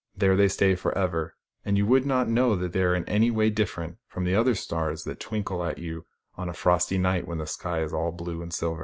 There they stay for ever, and you would not know that they are in any way different from the other stars that twinkle at you on a frosty night when the sky is all blue and silver.